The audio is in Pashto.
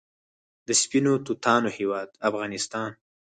د سپینو توتانو هیواد افغانستان.